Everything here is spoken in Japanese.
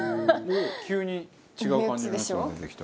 急に違う感じのやつが出てきた。